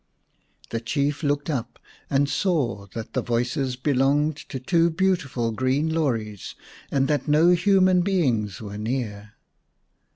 The Chief looked up and saw that the voices belonged to two beautiful green lorys, and that no human beings were near.